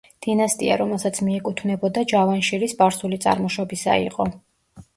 დინასტია, რომელსაც მიეკუთვნებოდა ჯავანშირი სპარსული წარმოშობისა იყო.